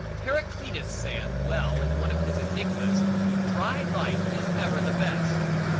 Heraclitus saith well in one of his enigmas, Dry light is ever the best.